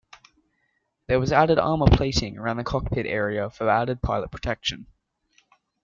There was added armor plating around the cockpit area for added pilot protection.